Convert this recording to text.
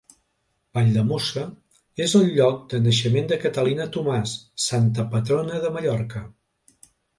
Valldemossa és el lloc de naixement de Catalina Thomàs, santa patrona de Mallorca.